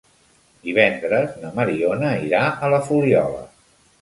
Divendres na Mariona irà a la Fuliola.